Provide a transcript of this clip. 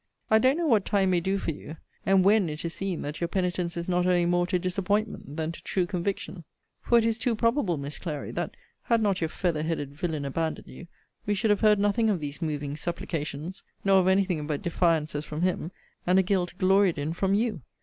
I don't know what time may do for you; and when it is seen that your penitence is not owing more to disappointment than to true conviction: for it is too probable, Miss Clary, that, had not your feather headed villain abandoned you, we should have heard nothing of these moving supplications; nor of any thing but defiances from him, and a guilt gloried in from you.